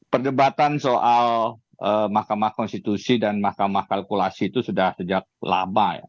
perdebatan soal mahkamah konstitusi dan mahkamah kalkulasi itu sudah sejak lama ya